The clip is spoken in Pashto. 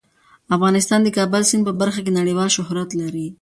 افغانستان د کابل سیند په برخه کې نړیوال شهرت لري.